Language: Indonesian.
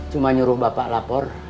cuma nyuruh bapak lapor